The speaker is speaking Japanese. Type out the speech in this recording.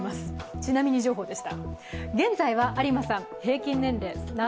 ちなみに情報でした。